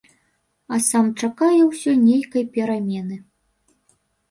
А сам чакае ўсё нейкай перамены.